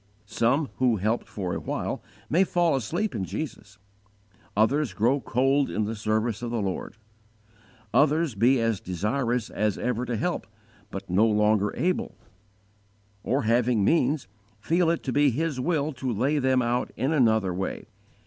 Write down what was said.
Some who helped for a while may fall asleep in Jesus; others grow cold in the service of the Lord; others be as desirous as ever to help, but no longer able; or, having means, feel it to be His will to lay them out in another way.